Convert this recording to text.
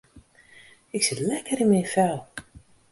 Ik sit lekker yn myn fel.